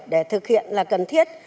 để thực hiện là cần thiết